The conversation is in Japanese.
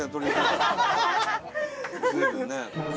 随分ね。